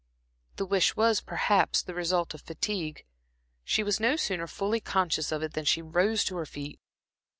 The wish was, perhaps, the result of fatigue. She was no sooner fully conscious of it than she rose to her feet.